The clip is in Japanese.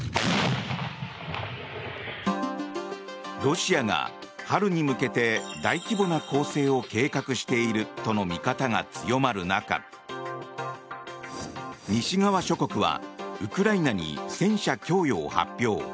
ロシアが春に向けて大規模な攻勢を計画しているとの見方が強まる中西側諸国はウクライナに戦車供与を発表。